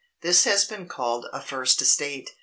This has been called a "First Estate."